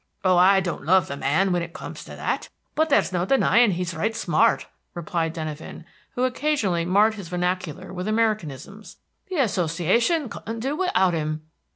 "Oh, I don't love the man, when it comes to that; but there's no denying he's right smart," replied Denyven, who occasionally marred his vernacular with Americanisms. "The Association couldn't do without him."